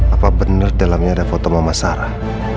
apa benar dalamnya ada foto mama sarah